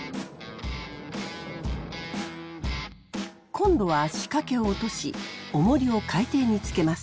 今度は仕掛けを落としオモリを海底につけます。